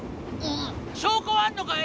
証拠はあんのかい？